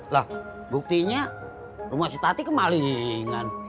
lah buktinya rumah si tati kemalingan